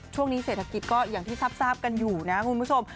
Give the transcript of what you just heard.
ช่วงนี้เศรษฐกิจก็อย่างที่ทราบกันอยู่นะคุณผู้ชม